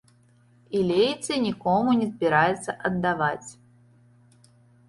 І лейцы нікому не збіраецца аддаваць.